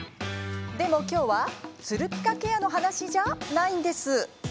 でも、きょうはツルピカケアの話じゃないんです。